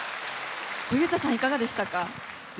小遊三さんいかがでしたか？